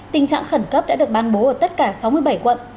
tình trạng khẩn cấp đã được ban bố ở tất cả sáu mươi bảy quận